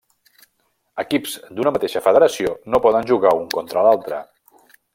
Equips d'una mateixa federació no poden jugar un contra l'altre.